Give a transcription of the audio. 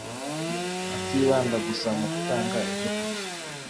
atibanda gusa mu gutanga ibyo kurya